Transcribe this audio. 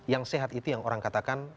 yang sehat itu yang orang katakan